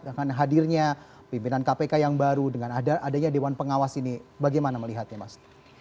dengan hadirnya pimpinan kpk yang baru dengan adanya dewan pengawas ini bagaimana melihatnya mas